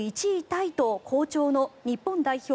タイと好調の日本代表